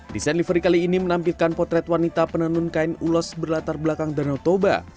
desain livery kali ini menampilkan potret wanita penenun kain ulos berlatar belakang danau toba